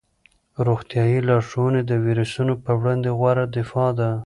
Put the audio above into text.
روغتیايي لارښوونې د ویروسونو په وړاندې غوره دفاع ده.